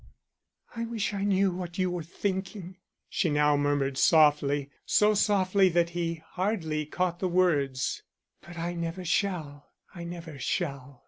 "I wish I knew what you were thinking," she now murmured softly, so softly that he hardly caught the words. "But I never shall, I never shall.